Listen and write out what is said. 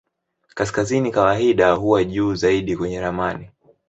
Kaskazini kawaida huwa juu zaidi kwenye ramani.